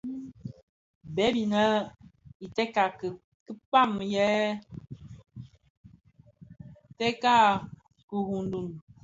Bêp inê i tèka kibàm yêê tèka kurundùng.